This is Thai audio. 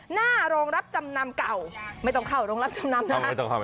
หน้าโรงรับจำนำเก่าไม่ต้องเข้าโรงรับจำนำนะ